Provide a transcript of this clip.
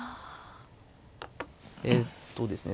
えとですね